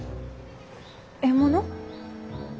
獲物？